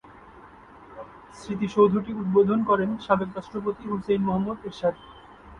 স্মৃতিসৌধটি উদ্বোধন করেন সাবেক রাষ্ট্রপতি হুসেইন মুহাম্মদ এরশাদ।